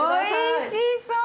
おいしそう。